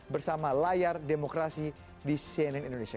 bersama layar demokrasi di cnn indonesia